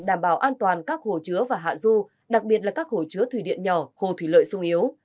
đảm bảo an toàn các hồ chứa và hạ du đặc biệt là các hồ chứa thủy điện nhỏ hồ thủy lợi sung yếu